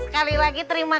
sekali lagi terima kasih